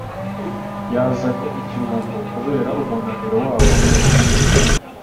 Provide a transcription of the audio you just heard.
yazanye ikiruhuko kubera umunaniro wabo wose